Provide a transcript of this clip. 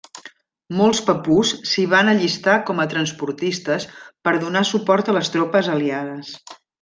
Molts papús s'hi van allistar com a transportistes per donar suport a les tropes aliades.